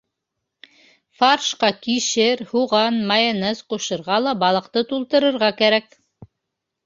Фаршҡа кишер, һуған, майонез ҡушырға ла балыҡты тултырырға кәрәк.